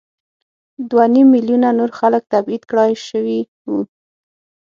دوه نیم میلیونه نور خلک تبعید کړای شوي وو.